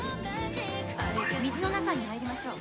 水の中に入りましょう。